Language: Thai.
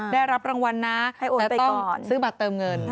ได้รับรางวัลนะแล้วต้องซื้อบัตรเติมเงิน